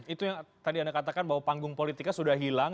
itu yang tadi anda katakan bahwa panggung politiknya sudah hilang